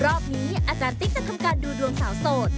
รอบนี้เนี่ยอาจารย์ติ๊กจะทำการดูดวงสาวโสด